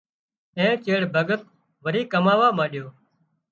اين چيڙ ڀڳت وري ڪماوا مانڏيو